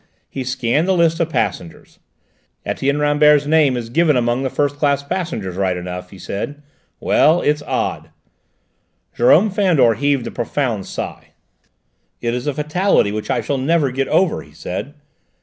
He scanned the list of passengers. "Etienne Rambert's name is given among the first class passengers, right enough," he said. "Well, it's odd!" Jérôme Fandor heaved a profound sigh. "It is a fatality which I shall never get over," he said.